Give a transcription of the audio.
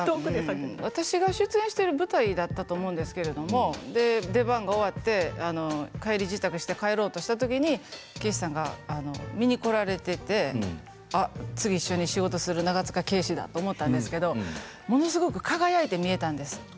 私が出演している舞台だったと思うんですけれど出番が終わって帰り支度をして帰ろうと思ったときに圭史さんが見に来られていてあ、次一緒に仕事をする長塚圭史だと思ったんですけれどものすごく輝いて見えたんです。